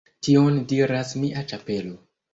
Tion diras mia ĉapelo